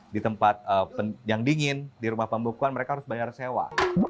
di tempat yang dingin di rumah pembekuan mereka harus bayar sewa